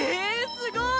すごーい